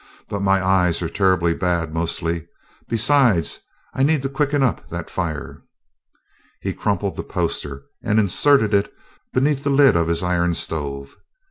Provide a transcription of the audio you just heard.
But my eyes are terrible bad mostly. Besides, I need to quicken up that fire." He crumpled the poster and inserted it beneath the lid of his iron stove.